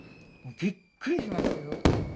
もうびっくりしましたよ。